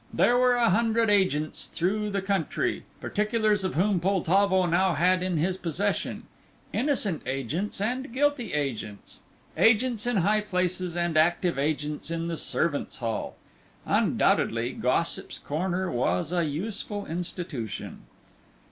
There were a hundred agents through the country, particulars of whom Poltavo now had in his possession. Innocent agents, and guilty agents; agents in high places and active agents in the servants' hall. Undoubtedly Gossip's Corner was a useful institution.